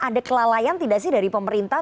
ada kelalaian tidak sih dari pemerintah